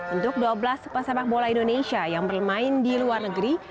untuk dua belas pesepak bola indonesia yang bermain di luar negeri